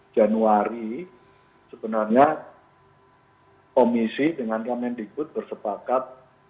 januari sebenarnya komisi dengan yang mendikbud bersepakat